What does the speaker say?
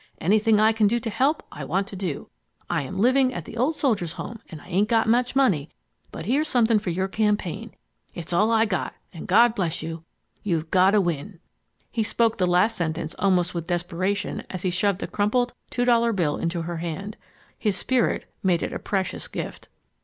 Anything I can do to help, I want to do. I am living at the Old Soldiers' Home and I ain't got mach money, but here's something for your campaign. It's all I got, and God bless you, you've gotta win." He spoke the last sentence almost with desperation as he shoved a crumpled $2.00 bill into her hand. His spirit made it a precious gift.